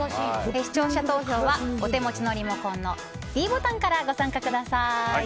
視聴者投票は、お手持ちのリモコンのｄボタンからご参加ください。